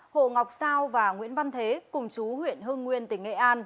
hồ ngọc sao và nguyễn văn thế cùng chú huyện hưng nguyên tỉnh nghệ an